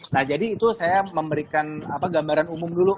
nah jadi itu saya memberikan gambaran umum dulu